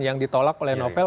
yang ditolak oleh novel